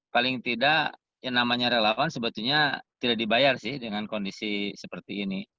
paling tidak yang namanya relawan sebetulnya tidak dibayar sih dengan kondisi seperti ini